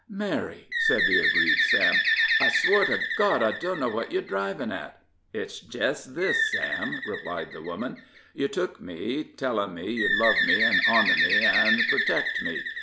"Mary," said the aggrieved Sam, "I swow to God I dunno what yer drivin' at." "It's jest this, Sam," replied the woman: "Yer tuk me, tellin' me ye'd love me an' honor me an' pertect me.